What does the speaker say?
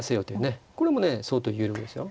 これもね相当有力ですよ。